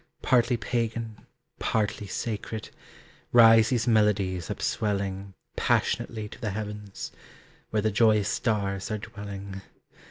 Partly pagan, partly sacred, Rise these melodies upswelling Passionately to the heavens, Where the joyous stars are dwelling.